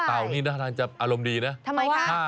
เต่านี่น่าจะอารมณ์ดีนะทำไมคะ